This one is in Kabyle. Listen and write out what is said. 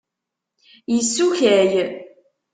Yessukkay.